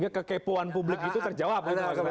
kekepuan publik itu terjawab